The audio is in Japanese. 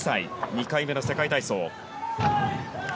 ２回目の世界体操。